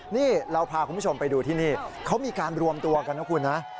นี่เราพาคุณผู้ชมไปดูที่นี่เขามีการรวมตัวกันนะคุณนะ